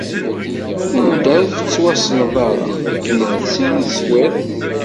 Anda ur tettwassneḍ ara, akken i telsiḍ i teswiḍ.